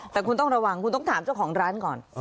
แต่คุณต้องระวังคุณต้องถามเจ้าของร้านก่อน